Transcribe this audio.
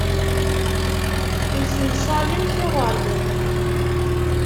Msenṣalen tiɣeṛdin.